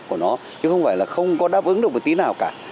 của nó chứ không phải là không có đáp ứng được một tí nào cả